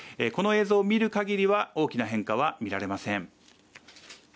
この映像を見る限りは、大きな変化は見られません。